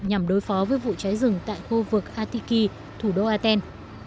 nhằm đối phó với vụ cháy rừng tại khu vực atiki thủ đô aten